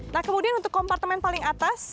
nah kemudian untuk kompartemen paling atas